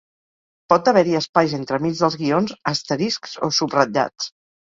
Pot haver-hi espais entremig dels guions, asteriscs o subratllats.